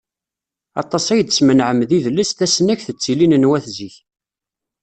Aṭas ay d-smenɛem d idles, tasnagt d tilin n wat zik.